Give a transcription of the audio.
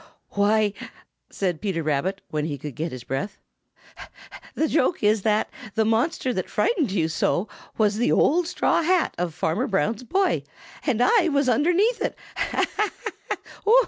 "Why," said Peter Rabbit, when he could get his breath, "the joke is that the monster that frightened you so was the old straw hat of Farmer Brown's boy, and I was underneath it. Ha, ha, ha!